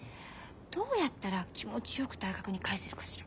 どうやったら気持ちよく大学に帰せるかしら？